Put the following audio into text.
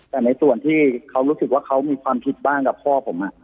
แต่ในส่วนที่เขารู้สึกว่าเขามีความคิดบ้างกับพ่อผม